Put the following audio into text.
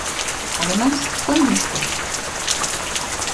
Además, fue Mr.